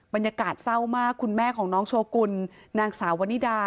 บรรยากาศเศร้ามากคุณแม่ของน้องโชกุลนางสาววนิดา